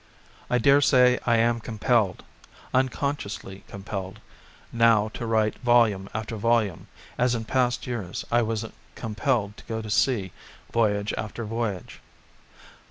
I dare say I am compelled, unconsciously compelled, now to write volume after volume, as in past years I was compelled to go to sea voyage after voyage.